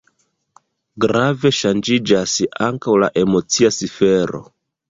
Grave ŝanĝiĝas ankaŭ la emocia sfero.